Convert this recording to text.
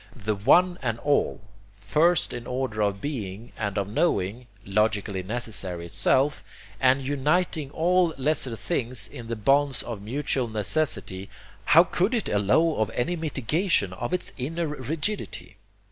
The One and All, first in the order of being and of knowing, logically necessary itself, and uniting all lesser things in the bonds of mutual necessity, how could it allow of any mitigation of its inner rigidity?